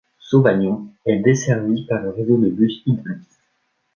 Sauvagnon est desservie par le réseau de bus Idelis.